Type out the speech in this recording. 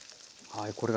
はい。